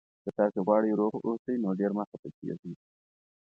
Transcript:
که تاسي غواړئ روغ اوسئ، نو ډېر مه خفه کېږئ.